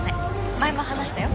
前も話したよ。